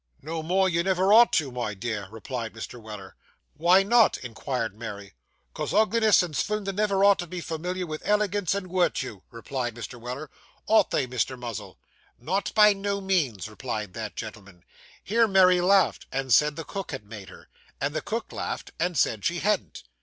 'No more you never ought to, my dear,' replied Mr. Weller. 'Why not?' inquired Mary. ''Cos ugliness and svindlin' never ought to be formiliar with elegance and wirtew,' replied Mr. Weller. 'Ought they, Mr. Muzzle?' 'Not by no means,' replied that gentleman. Here Mary laughed, and said the cook had made her; and the cook laughed, and said she hadn't.